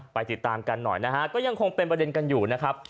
ไปติดตามกันหน่อยนะฮะก็ยังคงเป็นประเด็นกันอยู่นะครับ